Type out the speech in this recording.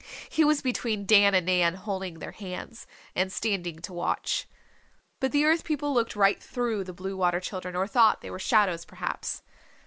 He was between Dan and Nan, holding their hands, and standing to watch. But the Earth People looked right through the Blue Water Children, or thought they were shadows perhaps.